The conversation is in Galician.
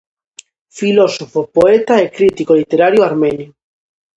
Filósofo, poeta e crítico literario armenio.